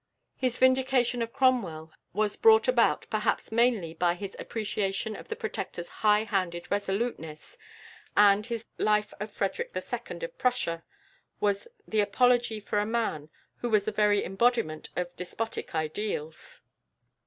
His vindication of Cromwell was brought about perhaps mainly by his appreciation of the Protector's high handed resoluteness, and his "Life of Frederick II. of Prussia" was the apology for a man who was the very embodiment of despotic ideals.